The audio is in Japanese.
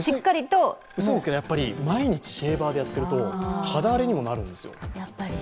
薄いので、毎日シェーバーでやっていると肌荒れにもなるんですよ。